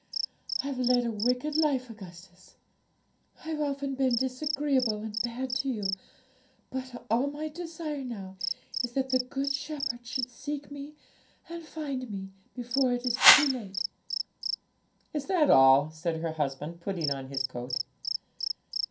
I've led a wicked life, Augustus; I've often been disagreeable and bad to you; but all my desire now is that the Good Shepherd should seek me and find me, before it is too late.' 'Is that all?' said her husband, putting on his coat.